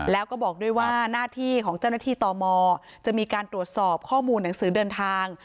แล้วก็บอกด้วยว่าหน้าที่ของเจ้าหน้าที่ตมจะมีการตรวจสอบข้อมูลหนังสือเดินทาง